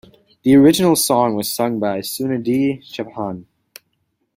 The original song was sung by Sunidhi Chauhan.